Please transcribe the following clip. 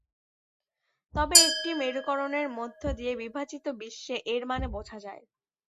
তবে একটি মেরুকরণের মধ্য দিয়ে বিভাজিত বিশ্বে এর মানে বোঝা যায়।